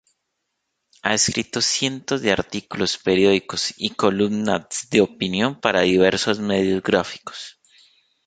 Ha escrito cientos de artículos periodísticos y columnas de opinión para diversos medios gráficos.